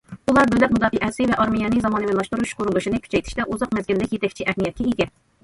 بۇلار دۆلەت مۇداپىئەسى ۋە ئارمىيەنى زامانىۋىلاشتۇرۇش قۇرۇلۇشىنى كۈچەيتىشتە ئۇزاق مەزگىللىك يېتەكچى ئەھمىيەتكە ئىگە.